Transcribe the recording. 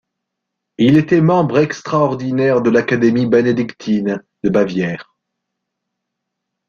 Il était membre extraordinaire de l'académie bénédictine de Bavière.